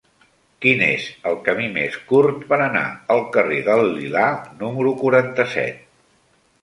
Quin és el camí més curt per anar al carrer del Lilà número quaranta-set?